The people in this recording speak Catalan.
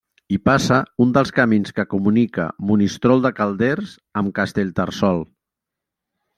Hi passa un dels camins que comunica Monistrol de Calders amb Castellterçol.